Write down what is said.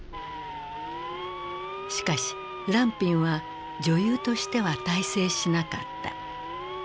しかし藍蘋は女優としては大成しなかった。